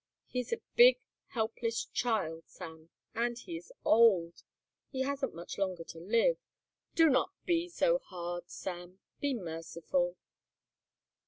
He is a big helpless child, Sam, and he is old. He hasn't much longer to live. Do not be hard, Sam. Be merciful."